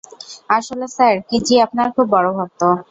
আসলে স্যার, কিজি আপনার খুব বড় ভক্ত।